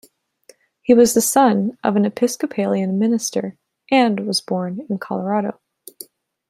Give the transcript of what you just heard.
He was the son of an Episcopalian minister, and was born in Colorado.